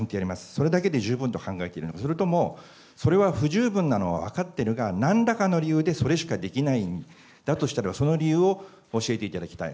それだけで十分と考えているのか、それとも、それは不十分なのは分かってるが、なんらかの理由でそれしかできないんだとしたら、その理由を教えていただきたい。